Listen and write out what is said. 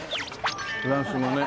フランス語ね。